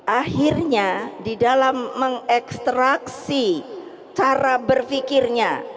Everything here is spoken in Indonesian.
akhirnya di dalam mengekstraksi cara berpikirnya